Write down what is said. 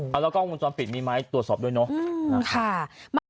แล้วก็กล้องมูลสอนปิดมีไม้ตรวจสอบด้วยเนาะ